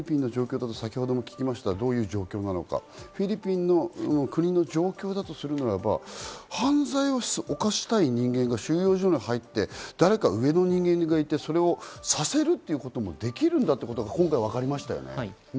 今のフィリピンの状況だとするならば、犯罪を犯したい人間が収容所に入って、誰か上の人間がいて、それをさせるということもできるんだということが今回わかりましたね。